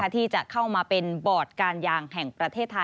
ที่จะเข้ามาเป็นบอร์ดการยางแห่งประเทศไทย